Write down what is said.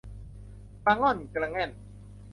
กระง่อนกระแง่น